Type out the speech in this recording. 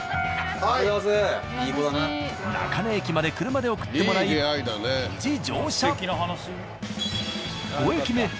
中根駅まで車で送ってもらい無事乗車。